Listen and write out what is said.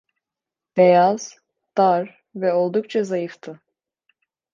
Beyaz, dar ve oldukça zayıftı.